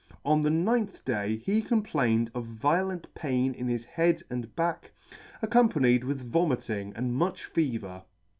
On the ninth day he complained of violent pain in his head and back, accompanied with vomiting and much fever.